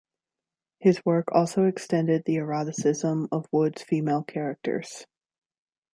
His work also extended the eroticism of Wood's female characters.